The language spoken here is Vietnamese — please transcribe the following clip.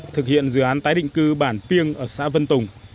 thực hiện dự án tái định cư bản piêng ở xã vân tùng